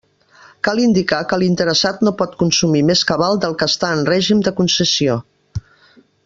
Cal indicar que l'interessat no pot consumir més cabal del que està en règim de concessió.